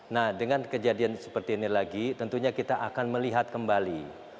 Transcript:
nah dengan kejadian seperti ini lagi tentunya kita akan melihat kembali